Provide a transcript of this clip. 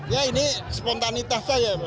ya ini spontanitas saja